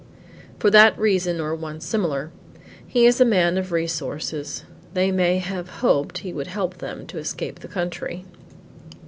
"For that reason or one similar. He is a man of resources, they may have hoped he would help them to escape the country."